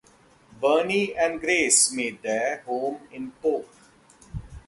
Burney and Grayce made their home in Polk.